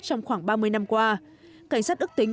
trong khoảng ba mươi năm qua cảnh sát ước tính